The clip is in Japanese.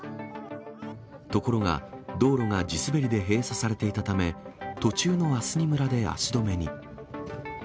ところが、道路が地滑りで閉鎖されていたため、途中のアスニ村で足止めに。